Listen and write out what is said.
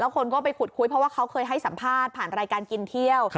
คนก็ไปขุดคุยเพราะว่าเขาเคยให้สัมภาษณ์ผ่านรายการกินเที่ยว